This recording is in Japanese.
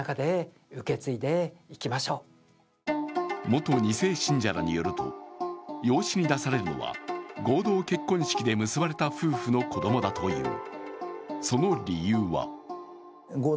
元２世信者らによると養子に出されるのは合同結婚式で結ばれた夫婦の子供だという。